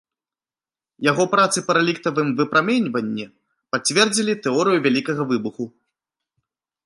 Яго працы па рэліктавым выпраменьванні пацвердзілі тэорыю вялікага выбуху.